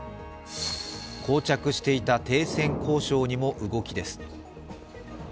こう着していた停戦交渉にも動きです。